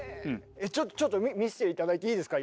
ちょっとちょっと見せて頂いていいですか？